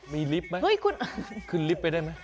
มีลิฟต์ไหมขึ้นลิฟต์ไปได้ไหม